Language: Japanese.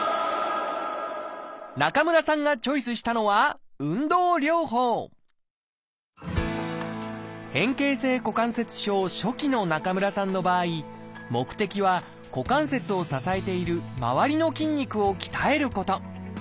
中村さんがチョイスしたのは変形性股関節症初期の中村さんの場合目的は股関節を支えている周りの筋肉を鍛えること。